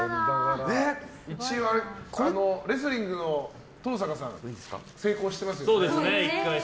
一応、レスリングの登坂さんは成功してますよね。